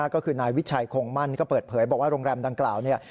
ก็คือนายวิชัยคงมั่นก็เปิดเผยบอกว่าโรงแรมดังกล่าวเนี่ย